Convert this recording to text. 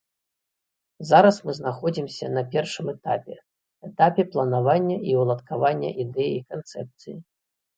Зараз мы знаходзімся на першым этапе, этапе планавання і ўладкавання ідэі, канцэпцыі.